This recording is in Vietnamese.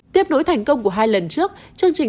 tiếp nối thành công của hai lần trước chương trình